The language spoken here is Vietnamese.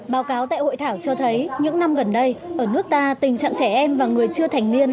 báo cáo tại hội thảo cho thấy những năm gần đây ở nước ta tình trạng trẻ em và người chưa thành niên